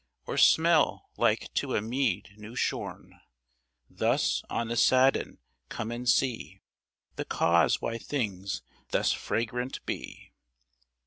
Or smell like to a meade new shorne, Thus on the sudden? Come and see The cause why things thus fragrant be.